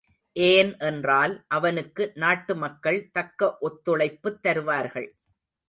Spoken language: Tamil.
ஏன் என்றால் அவனுக்கு நாட்டு மக்கள் தக்க ஒத்துழைப்புத் தருவார்கள்.